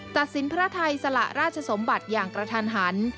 ตัดสินพระไทยสละราชสมบัติอย่างกระทันหัน